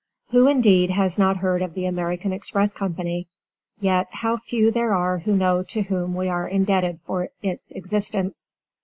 Who, indeed, has not heard of the American Express Company? Yet, how few there are who know to whom we are indebted for its existence.